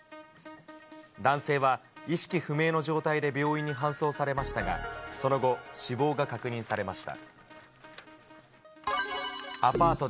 男性は意識不明の状態で病院に搬送されましたが、その後、死亡が確認されました。